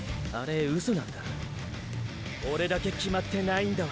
オレだけ決まってないんだわ。